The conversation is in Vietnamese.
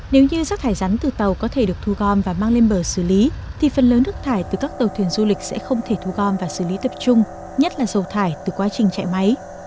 nếu như rác thải rắn từ tàu có thể được thu gom và mang lên bờ xử lý thì phần lớn nước thải từ các tàu thuyền du lịch sẽ không thể thu gom và xử lý tập trung nhất là dầu thải từ quá trình chạy máy